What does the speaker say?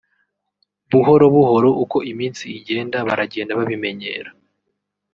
buhoro buhoro uko iminsi igenda baragenda babimenyera